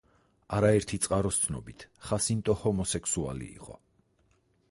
არაერთი წყაროს ცნობით, ხასინტო ჰომოსექსუალი იყო.